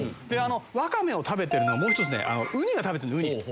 ワカメを食べてるのもう１つねウニが食べてるウニ。